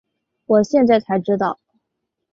我现在才知道